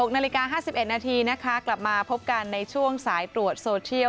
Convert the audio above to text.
๖นาฬิกา๕๑นาทีนะคะกลับมาพบกันในช่วงสายตรวจโซเทียล